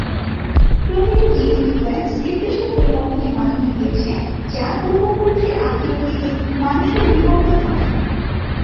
প্রতিটি gene sequence নির্দিষ্ট পরিবর্তনের মাধ্যমে গিয়েছে যা পূর্বপুরুষের আত্মীয় থেকে মানুষের বিবর্তন ঘটায়।